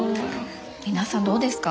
皆さんどうですか？